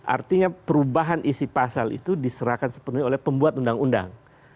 artinya perubahan isi pasal itu diserahkan sepenuhnya oleh pembuat undang undang